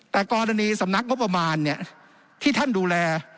แต่กรณีสำนักงบประมาณที่ท่านดูแล